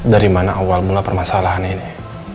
dari mana awal mula permasalahan ini